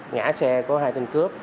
ngã xe của hai tên cướp